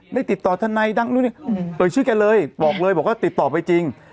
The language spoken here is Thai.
ได้ติดต่อทนายดังนู่นนี่เอ่ยชื่อแกเลยบอกเลยบอกว่าติดต่อไปจริง